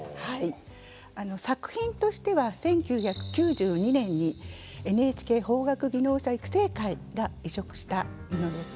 作品としては１９９２年にＮＨＫ邦楽技能者育成会が委嘱したものです。